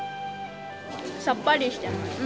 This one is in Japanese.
さっぱりしてます。